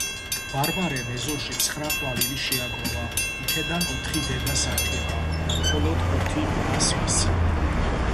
ბარბარემ ეზოში ცხრა ყვავილი შეაგროვა იქედან ოთხი დედას აჩუქა მხოლოდ ხუთი დას მისცა